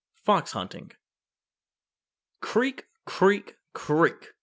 FOX HUNTING "Creak, creak, creak!